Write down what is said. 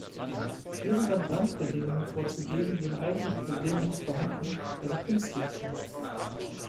Hier sind dann Randbedingungen vorzugeben, die im eigentlichen Problem nicht vorhanden, also künstlich sind.